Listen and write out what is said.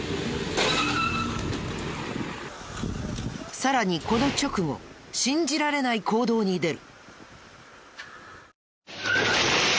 さらにこの直後信じられない行動に出る。